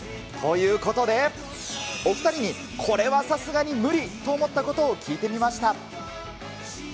ということで、お２人にこれはさすがに無理！と思ったことを聞いてみました。